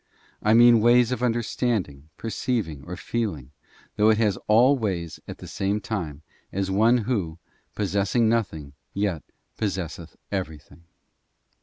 I mean ways of understanding, perceiving, or feeling, though it has all ways at the same time, as one who, possessing nothing, yet possesseth everything.